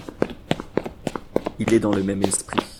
Il est dans le même esprit.